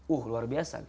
uh luar biasa